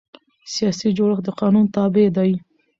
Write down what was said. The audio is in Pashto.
سیاسي جوړښت د قانون تابع دی